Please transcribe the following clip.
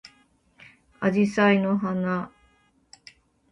あじさいの花